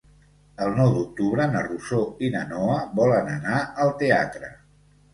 El nou d'octubre na Rosó i na Noa volen anar al teatre.